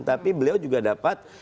tapi beliau juga dapat